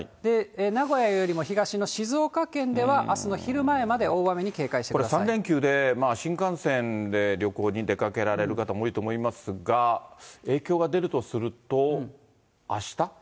名古屋よりも東の静岡県ではあすの昼前まで大雨に警戒してくださこれ、３連休で新幹線で旅行に出かけられる方も多いと思いますが、影響が出るとすると、あした？